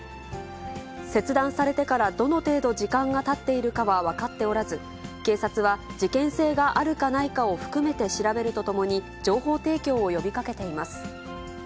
切断されてからどの程度時間がたっているかは分かっておらず、警察は、事件性があるかないかを含めて調べるとともに、情報提供を呼びかけています。